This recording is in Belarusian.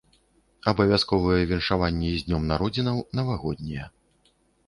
Абавязковыя віншаванні з днём народзінаў, навагоднія.